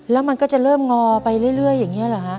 แล้วมันก็จะเริ่มงอไปเรื่อยอย่างนี้เหรอฮะ